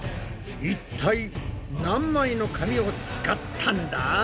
いったい何枚の紙を使ったんだ？